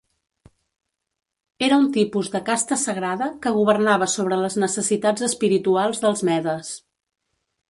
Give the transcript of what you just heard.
Era un tipus de casta sagrada que governava sobre les necessitats espirituals dels medes.